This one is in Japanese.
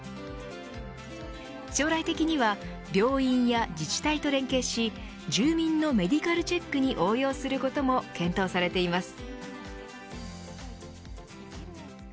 将来的には病院や自治体と連携し住民のメディカルチェックに応用することも検討されています。